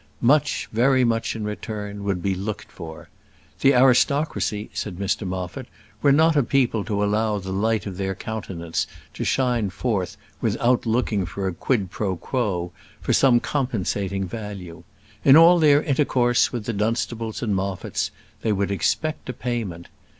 Much, very much in return, would be looked for. The aristocracy, said Mr Moffat, were not a people to allow the light of their countenance to shine forth without looking for a quid pro quo, for some compensating value. In all their intercourse with the Dunstables and Moffats, they would expect a payment.